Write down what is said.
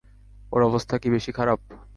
ওর অবস্থা কি বেশি খারাপ?